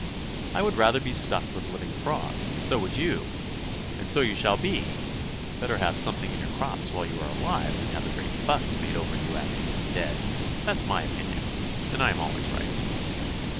I would rather be stuffed with living frogs, and so would you, and so you shall be ! Better have something in your crops while you are alive than have a great fuss made over you after you are dead. That is my opinion, and I am always right."